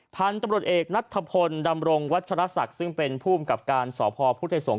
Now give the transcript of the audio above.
พันธุ์ตำรวจเอกนัทธพลดำรงวัชรศักดิ์ซึ่งเป็นผู้อำกับการสพพุทธสงศ